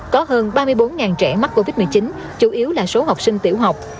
có hơn ba mươi bốn trẻ mắc covid một mươi chín chủ yếu là số học sinh tiểu học